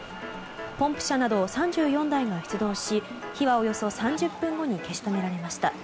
ポンプ車など３４台が出動し火はおよそ３０分後に消し止められました。